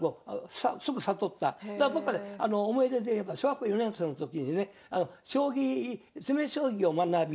思い出でいえば小学校４年生の時にね将棋詰将棋を学び